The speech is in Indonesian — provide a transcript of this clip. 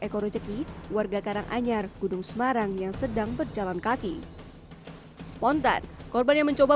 eko rezeki warga karanganyar gunung semarang yang sedang berjalan kaki spontan korbannya mencoba